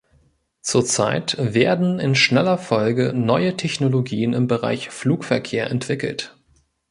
Zur Zeit werden in schneller Folge neue Technologien im Bereich Flugverkehr entwickelt.